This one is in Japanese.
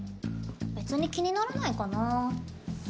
別に気にならないかな。